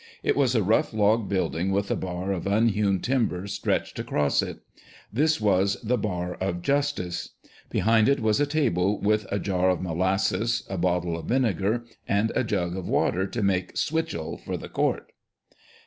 It was a rough log building with a bar of unhewn timber stretched across it. This was the bar of justice. Behind it was a table with a jar of molasses, a bottle of vinegar, and a jug of water to make " switchel" for the court.